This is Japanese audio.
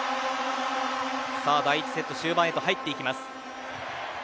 さあ、第１セット終盤へと入っていきます。